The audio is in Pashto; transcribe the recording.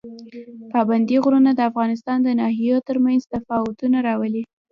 پابندي غرونه د افغانستان د ناحیو ترمنځ تفاوتونه راولي.